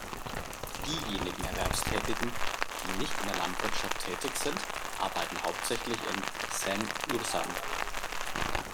Diejenigen Erwerbstätigen, die nicht in der Landwirtschaft tätig sind, arbeiten hauptsächlich in Saint-Ursanne.